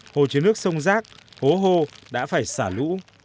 hồ chứa nước sông rác hố hô đã phải xả lũ